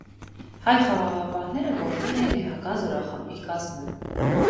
Հայ խաղաղապահները գործում էին լեհական զորախմբի կազմում։